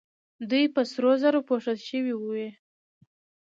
دوی په سرو زرو پوښل شوې وې